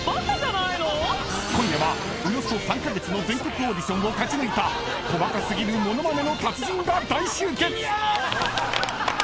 ［今夜はおよそ３カ月の全国オーディションを勝ち抜いた細かすぎるモノマネの達人が大集結！］